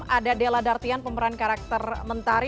ada della dartian pemeran karakter mentari